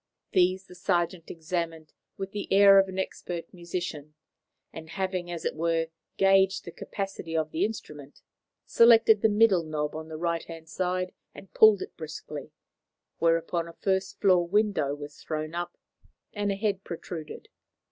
These the sergeant examined with the air of an expert musician, and having, as it were, gauged the capacity of the instrument, selected the middle knob on the right hand side and pulled it briskly; whereupon a first floor window was thrown up and a head protruded.